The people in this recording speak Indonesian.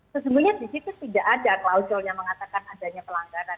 sesungguhnya di situ tidak ada klausul yang mengatakan adanya pelanggaran